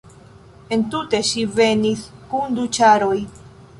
Entute ŝi venis kun du ĉaroj.